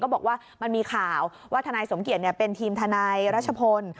บอกว่ามันมีข่าวว่าทนายสมเกียจเป็นทีมทนายรัชพล